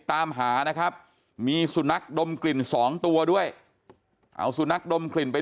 ตามหานะครับมีสุนัขดมกลิ่นสองตัวด้วยเอาสุนัขดมกลิ่นไป